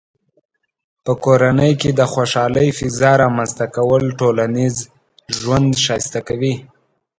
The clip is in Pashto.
په کورنۍ کې د خوشحالۍ فضاء رامنځته کول ټولنیز ژوند ښایسته کوي.